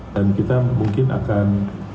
dan kita mungkin akan